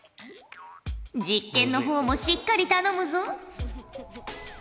実験の方もしっかり頼むぞ！